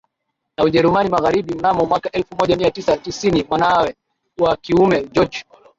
na Ujerumani Magharibi mnamo mwkaa elfu moja mia tisa tisiniMwanawe wa kiume George